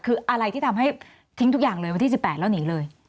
คืออะไรที่ทำให้ทิ้งทุกอย่างเลยวันที่๑๘แล้วหนีเลย